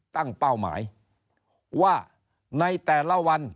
เป้าหมายว่าในแต่ละวัน